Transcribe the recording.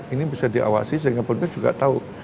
ini bisa diawasi sehingga publik juga tahu